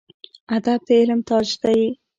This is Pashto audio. ادب د علم تاج دی